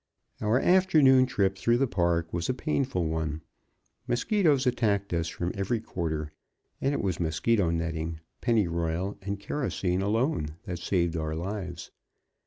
Our afternoon trip through the Park was a painful one. Mosquitoes attacked us from every quarter, and it was mosquito netting, pennyroyal and kerosene alone that saved our lives.